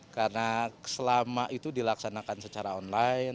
karena selama itu dilaksanakan secara perpindahan